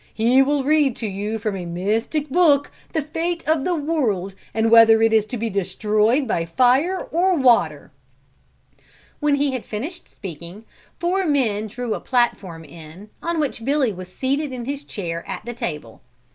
He will read to you, from a mystic book, the fate of the world and whether it is to be destroyed by fire or water." When he had finished speaking, four men drew a platform in, on which Billy was seated in his chair at the table.